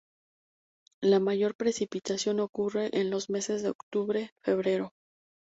La mayor precipitación ocurre en los meses de octubre-febrero.